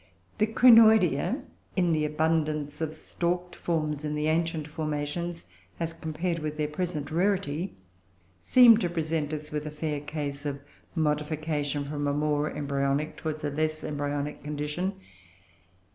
The Crinoidea, in the abundance of stalked forms in the ancient formations as compared with their present rarity, seem to present us with a fair case of modification from a more embryonic towards a less embryonic condition.